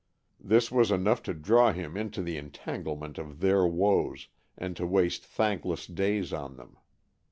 This was enough to draw him into the entanglement of their woes, and to waste thankless days on them.